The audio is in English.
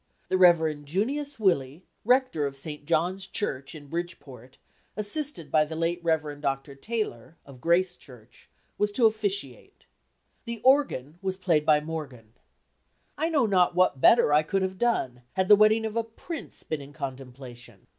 The Rev. Junius Willey, Rector of St. John's Church in Bridgeport, assisted by the late Rev. Dr. Taylor, of Grace Church, was to officiate. The organ was played by Morgan. I know not what better I could have done, had the wedding of a prince been in contemplation.